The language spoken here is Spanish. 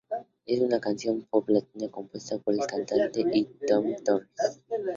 Es una canción pop latina, compuesta por el cantante y Tommy Torres.